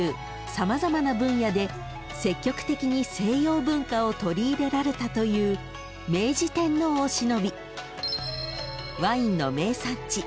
様々な分野で積極的に西洋文化を取り入れられたという明治天皇をしのびワインの名産地